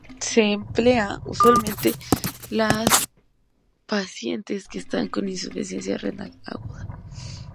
Se emplea usualmente para pacientes que están con insuficiencia renal aguda.